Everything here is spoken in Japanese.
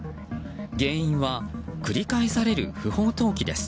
原因は、繰り返される不法投棄です。